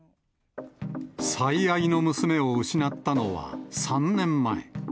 最愛の娘を失ったのは、３年前。